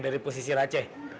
dari pesisir aceh